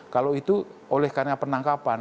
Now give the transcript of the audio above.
kalau itu oleh karena penangkapan